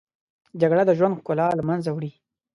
جګړه د ژوند ښکلا له منځه وړي